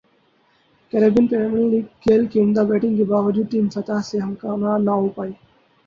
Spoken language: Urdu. کیربئین پریمئیر لیگ گیل کی عمدہ بیٹنگ کے باوجود ٹیم فتح سے ہمکنار نہ ہو پائی